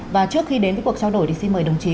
và trước khi đến với cuộc trao đổi thì xin mời đồng chí